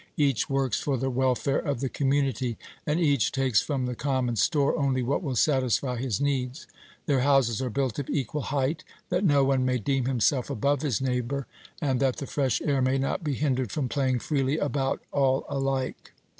Each works for the welfare of the community, and each takes from the common store only what will satisfy his needs. Their houses are built of equal height, that no one may deem himself above his neighbor, and that that the fresh air may not be hindered from playing freely about all alike.